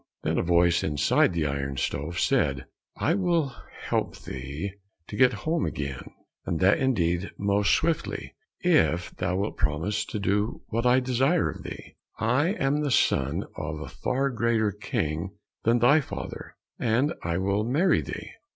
Then a voice inside the iron stove said, "I will help thee to get home again, and that indeed most swiftly, if thou wilt promise to do what I desire of thee. I am the son of a far greater King than thy father, and I will marry thee."